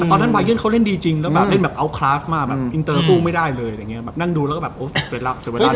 ตอนนั้นบายอนเขาเล่นดีจริงแล้วแล้วเล่นแบบอัล